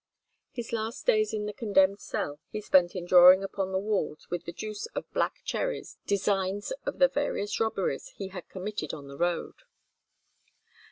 His last days in the condemned cell he spent in drawing upon the walls with the juice of black cherries designs of the various robberies he had committed on the road.